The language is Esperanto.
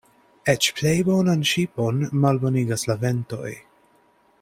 Eĉ plej bonan ŝipon malbonigas la ventoj.